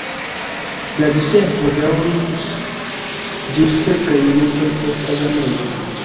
La Diservo daŭris ĝis kelkaj minutoj post tagmezo.